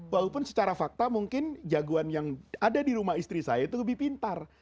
walaupun secara fakta mungkin jagoan yang ada di rumah istri saya itu lebih pintar